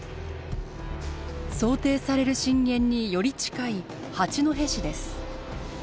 想定される震源により近い八戸市です。